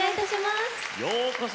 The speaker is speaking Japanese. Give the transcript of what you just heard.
ようこそ